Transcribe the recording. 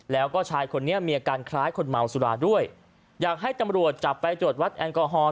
แล้วก็ชายคนนี้มีอาการคล้ายคนเมาสุราด้วยอยากให้ตำรวจจับไปตรวจวัดแอลกอฮอล